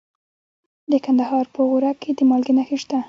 د کندهار په غورک کې د مالګې نښې شته.